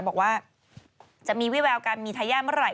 บอกว่าจะมีวิแววการมีทายาทเมื่อไห